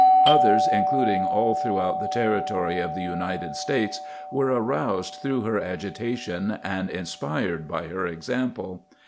Others, including all throughout the territory of the United States, were aroused through her agitation and inspired by her example.